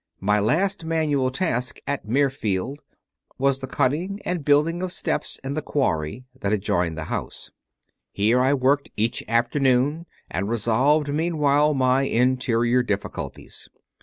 My last manual task at Mirfield was the CONFESSIONS OF A CONVERT 63 cutting and building of steps in the quarry that adjoined the house. Here I worked each afternoon and revolved meanwhile my interior difficulties.